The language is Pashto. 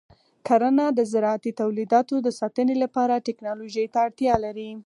کرنه د زراعتي تولیداتو د ساتنې لپاره ټیکنالوژۍ ته اړتیا لري.